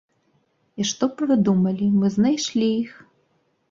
І што б вы думалі, мы знайшлі іх.